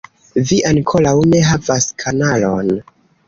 Vi ankoraŭ ne havas kanalon